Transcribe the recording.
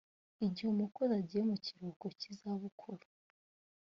igihe umukozi agiye mu kiruhuko cy’ izabukuru